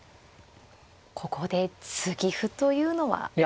ここで継ぎ歩というのはありますか。